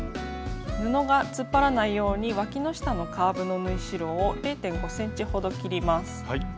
布が突っ張らないようにわきの下のカーブの縫い代を０．５ｃｍほど切ります。